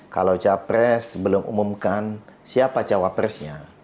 kalau cawapres belum umumkan siapa cawapresnya